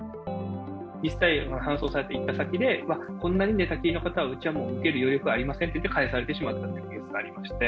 実際、搬送されて行った先で、こんなに寝たきりの方は、うちはもう、受け入れる余力はありませんと、帰されてしまったというケースがありまして。